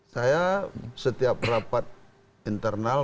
saya setiap rapat internal